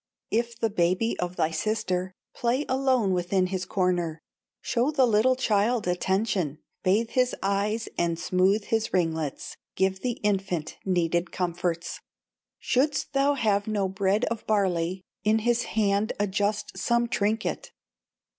"If the baby of thy sister Play alone within his corner, Show the little child attention, Bathe his eyes and smoothe his ringlets, Give the infant needed comforts; Shouldst thou have no bread of barley, In his hand adjust some trinket.